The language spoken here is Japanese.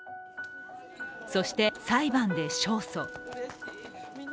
そして、裁判で勝訴。